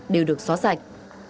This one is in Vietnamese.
đều được xóa sạch